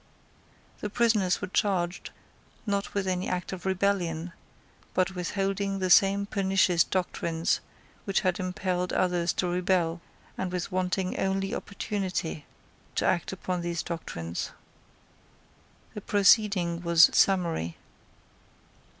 The prisoners were charged, not with any act of rebellion, but with holding the same pernicious doctrines which had impelled others to rebel, and with wanting only opportunity to act upon those doctrines. The proceeding was summary.